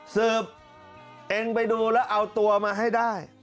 เสิร์ฟเองไปดูแล้วเอาตัวมาให้ได้